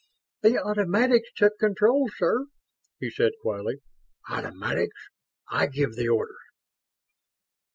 "The automatics took control, sir," he said, quietly. "Automatics! I give the orders!"